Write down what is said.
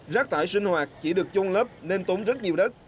rác thải sinh hoạt chỉ được trôn lấp nên tốn rất nhiều đất